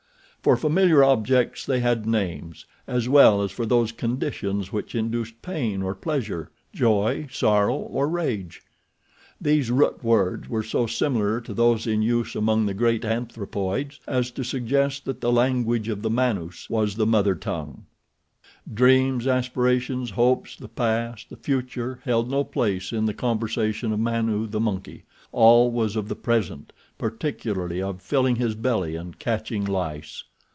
For familiar objects they had names, as well as for those conditions which induced pain or pleasure, joy, sorrow, or rage. These root words were so similar to those in use among the great anthropoids as to suggest that the language of the Manus was the mother tongue. At best it lent itself to but material and sordid exchange. Dreams, aspirations, hopes, the past, the future held no place in the conversation of Manu, the monkey. All was of the present—particularly of filling his belly and catching lice.